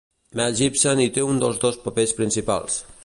Mel Gibson hi té un dels dos papers principals.